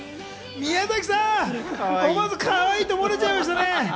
宮崎さん、思わずかわいいって漏れちゃいましたね。